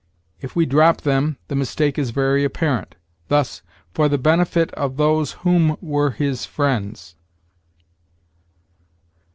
If we drop them, the mistake is very apparent; thus, "For the benefit of those whom were his friends."